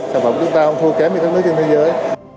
sản phẩm của chúng ta không thua kém như các nước trên thế giới